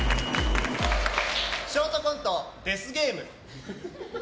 ショートコント、デスゲーム。